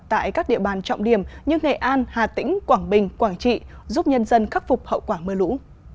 tại các địa bàn trọng điểm như nghệ an hà tĩnh quảng bình quảng trị giúp nhân dân khắc phục hậu quả mưa lũ